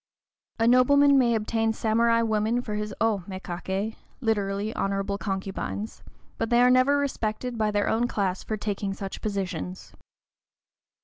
A nobleman may obtain samurai women for his "O mékaké" (literally, honorable concubines), but they are never respected by their own class for taking such positions.